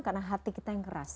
karena hati kita yang keras